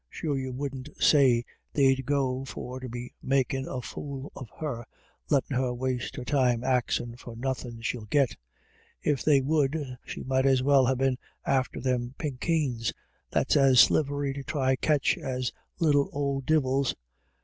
Sure you wouldn't say they'd go for to be makin' a fool of her, lettin' her waste her time axin' for nothin' she'll git. If they would, she might as well ha* been after thim pinkeens, that's as slithery to try catch as little ould divils.